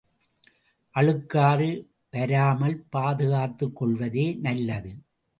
அழுக்காறு வராமல் பாதுகாத்துக் கொள்வதே நல்லது.